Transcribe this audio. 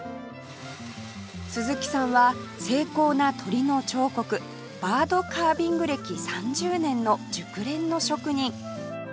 鈴木さんは精巧な鳥の彫刻バードカービング歴３０年の熟練の職人